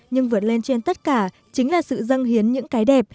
nhưng vượt lên trên tất cả chính là sự dâng hiến những cái đẹp